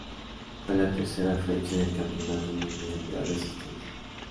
Fue la tercera fecha del Campeonato Mundial de Resistencia.